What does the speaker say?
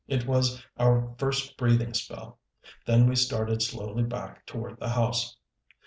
It was our first breathing spell. Then we started slowly back toward the house.